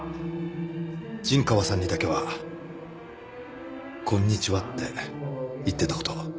陣川さんにだけは「こんにちは」って言ってた事を。